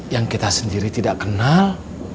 yang kita sendiri tidak kenal